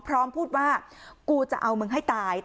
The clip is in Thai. พร้อมพูดว่ากูจะเอามึงให้ตาย